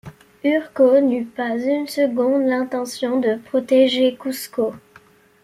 Urco n’eut pas une seconde l’intention de protéger Cusco.